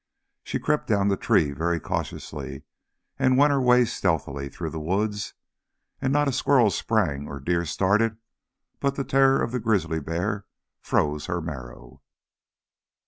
She crept down the tree very cautiously, and went her way stealthily through the wood, and not a squirrel sprang or deer started but the terror of the grizzly bear froze her marrow.